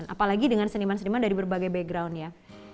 apalagi dengan seniman seniman dari berbagai background ya